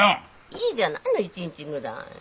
いいじゃないの１日ぐらい。